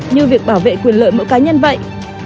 như việc bảo vệ quyền lợi mỗi cá nhân vậy